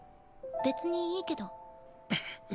別にいいけど。